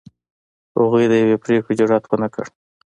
هغوی د یوې پرېکړې جرئت ونه کړ.